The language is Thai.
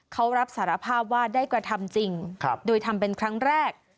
เขารับสารภาพว่าได้กระทำจริงโดยทำเป็นครั้งแรก